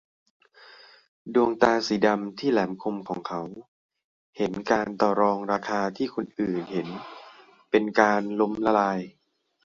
ดวงตาสีดำที่แหลมคมของเขาเห็นการต่อรองราคาที่คนอื่นเห็นเป็นการล้มละลาย